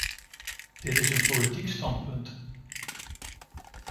Dit is een politiek standpunt.